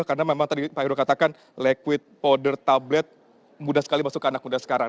karena memang tadi pak heru katakan liquid powder tablet muda sekali masuk ke anak muda sekarang